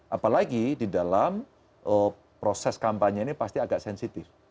apalagi di dalam proses kampanye ini pasti agak sensitif